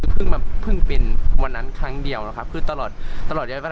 คือเพิ่งเป็นวันนั้นครั้งเดียวนะครับ